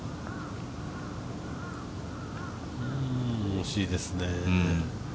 惜しいですね。